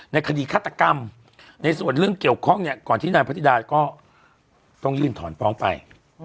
คดีฆาตกรรมในส่วนเรื่องเกี่ยวข้องเนี่ยก่อนที่นายพระธิดาก็ต้องยื่นถอนฟ้องไป